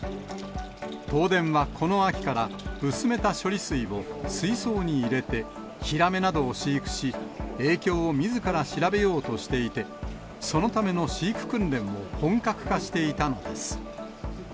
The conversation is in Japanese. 東電はこの秋から、薄めた処理水を水槽に入れて、ヒラメなどを飼育し、影響をみずから調べようとしていて、そのための飼育訓練を本格化していたのです。